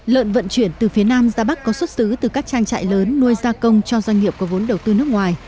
lợn vận chuyển từ phía nam ra bắc có xuất xứ từ các trang trại lớn nuôi gia công cho doanh nghiệp có vốn đầu tư nước ngoài